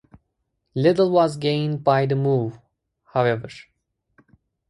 Little was gained by the move, however.